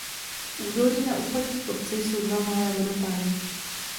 V údolí na úpatí kopce jsou dva malé vodopády.